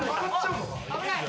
危ない。